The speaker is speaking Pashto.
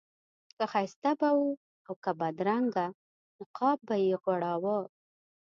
که ښایسته به و او که بدرنګه نقاب به یې غوړاوه.